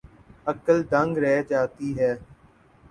عقل دنگ رہ جاتی ہے۔